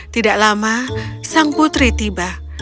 tidak lama sang putri tiba